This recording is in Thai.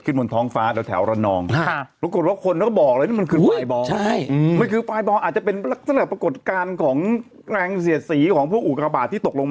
ถูกต้องว่าเวลาคนถูกที่ก็จะกระจุกกระจุก